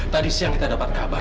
tadi siang kita dapat kabar